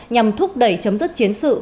nhằm thúc đẩy chấm dứt chiến sự